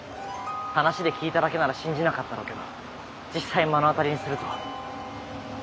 ⁉話で聞いただけなら信じなかったろうけど実際目の当たりにすると。